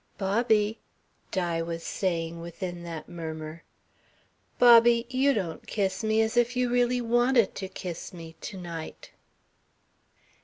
"Bobby," Di was saying within that murmur, "Bobby, you don't kiss me as if you really wanted to kiss me, to night."